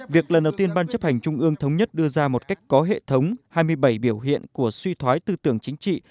việc lần đầu tiên ban chấp hành trung ương thống nhất đưa ra một cách có hệ thống hai mươi bảy biểu hiện của suy thoái tư tưởng chính trị